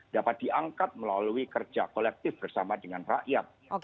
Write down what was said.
dapat diangkat melalui kerja kolektif bersama dengan rakyat